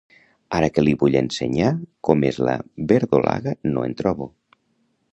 Ara que li vull ensenyar com és la verdolaga no en trobo